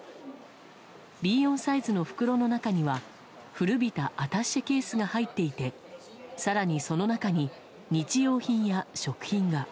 Ｂ４サイズの袋の中には、古びたアタッシェケースが入っていて更にその中に日用品や食品が。